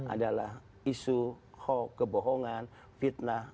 adalah isu hoax kebohongan fitnah